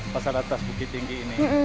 pasar atas bukit tinggi ini